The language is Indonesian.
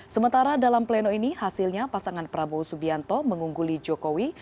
sementara dalam pleno ini hasilnya pasangan prabowo subianto mengungguli jokowi